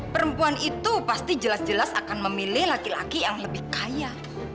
perempuan itu pasti jelas jelas akan memilih laki laki yang lebih kaya